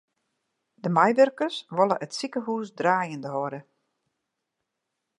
De meiwurkers wolle it sikehús draaiende hâlde.